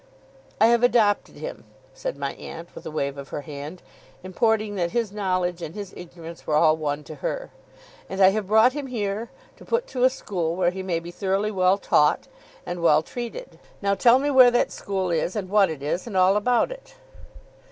'I have adopted him,' said my aunt, with a wave of her hand, importing that his knowledge and his ignorance were all one to her, 'and I have brought him here, to put to a school where he may be thoroughly well taught, and well treated. Now tell me where that school is, and what it is, and all about it.